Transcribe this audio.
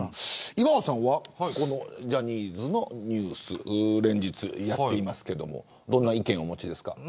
岩尾さんはジャニーズのニュース連日やっていますけどどんな意見をお持ちですか。